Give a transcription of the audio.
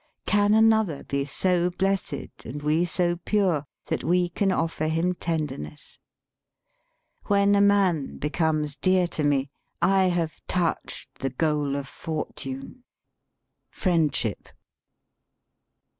Can another be so blessed and we so pure that we can offer him tenderness ? When a man be 103 THE SPEAKING VOICE comes dear to me I have touched the goal of fortune. '' Friendship.